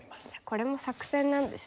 これも作戦なんですね。